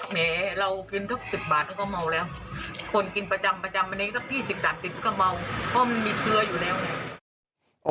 ก็มีเชื้ออยู่แล้ว